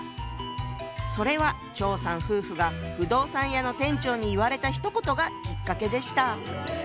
それは張さん夫婦が不動産屋の店長に言われたひと言がきっかけでした。